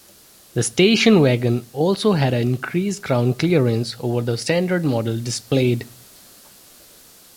The station wagon also had a increased ground clearance over the standard model displayed.